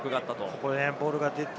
ここでボールが出て。